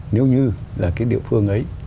nếu như là cái địa phương ấy